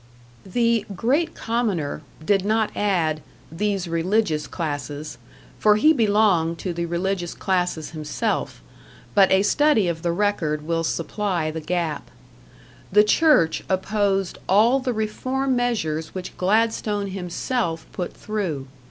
The "Great Commoner" did not add "these religious classes ", for he belonged to the religious classes himself; but a study of the record will supply the gap. The Church opposed all the reform measures which Gladstone himself put through.